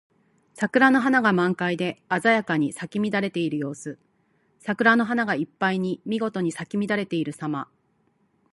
桜の花が満開で鮮やかに咲き乱れている様子。桜の花がいっぱいにみごとに咲き乱れているさま。